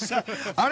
あれ？